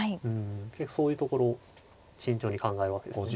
そういうところ慎重に考えるわけですね。